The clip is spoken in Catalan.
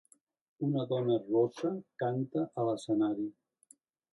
Una dona rossa canta a l'escenari.